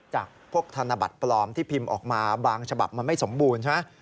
จากพวกธนบัตรปลอมที่พิมพ์ออกมาบางฉบับมันไม่สมบูรณ์ใช่ไหม